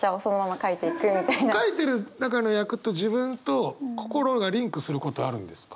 書いてる中の役と自分と心がリンクすることあるんですか？